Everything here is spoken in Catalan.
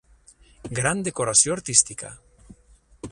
Gran decoració artística.